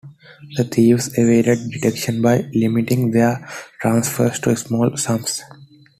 The thieves evaded detection by limiting their transfers to small sums.